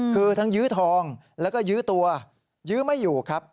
คือทั้งยื้อทองแล้วก็ยื้อตัวยื้อไม่อยู่ครับ